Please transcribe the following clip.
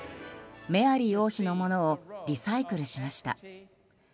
メアリー王妃のものをリサイクルしました。